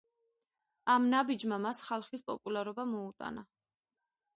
ამ ნაბიჯმა მას ხალხის პოპულარობა მოუტანა.